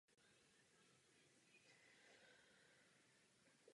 Potom pracovala především jako divadelní herečka.